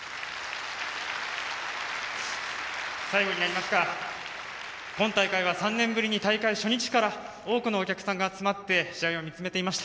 最後になりますが今大会は３年ぶりに大会初日から多くのお客さんが集まって試合を見つめていました。